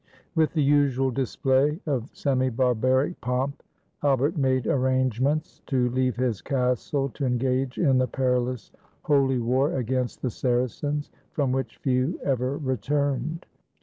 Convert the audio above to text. With the usual display of semi barbaric pomp, Albert made arrangements to leave his castle to engage in the perilous holy war against the Saracens, from which few ever returned.